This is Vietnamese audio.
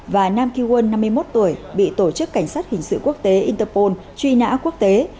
và nam kywan năm mươi một tuổi bị tổ chức cảnh sát hình sự quốc tế interpol truy nã quốc tế